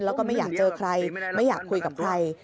แล้วก็ไม่อยากเจอใครไม่อยากคุยกับใคร